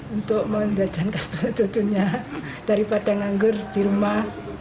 untuk mendapatkan keputusannya dari patah nganggur di rumah